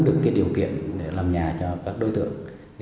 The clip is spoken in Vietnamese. được cái điều kiện để làm nhà cho các đối tượng